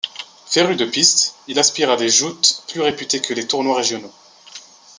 Féru de pistes, il aspire à des joutes plus réputées que les tournois régionaux.